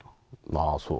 まあそう。